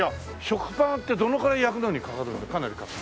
食パンってどのくらい焼くのにかかるかなりかかる？